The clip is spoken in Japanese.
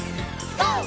ＧＯ！